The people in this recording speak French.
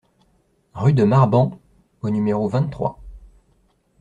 Rue de Marban au numéro vingt-trois